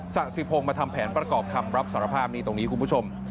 สะสิพงศ์มาทำแผนประกอบคำรับสารภาพนี่ตรงนี้คุณผู้ชม